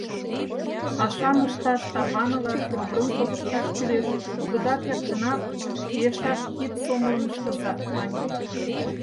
Пашам ышташ, тарванылаш, могырым тодышташ кӱлеш, огыда керт гынат, виешак кид-сомылым ыштыза, маньым.